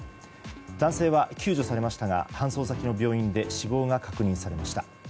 男性は救助されましたが搬送先の病院で死亡が確認されました。